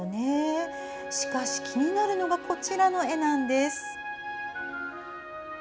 しかし気になるのがこちらの絵なんです。